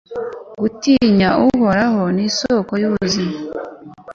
gutinya uhoraho ni isoko y'ubuzima